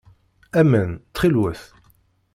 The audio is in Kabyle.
Aman, ttxil-wet.